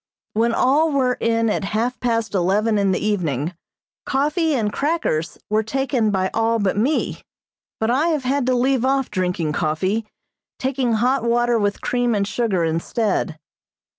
When all were in at half past eleven in the evening, coffee and crackers were taken by all but me, but I have had to leave off drinking coffee, taking hot water with cream and sugar instead.